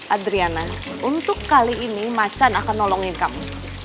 adriana untuk kali ini macan akan nolongin kamu